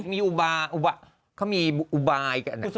มีอุบายเขามีอุบาย